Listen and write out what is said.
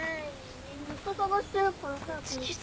ずっと探してるから。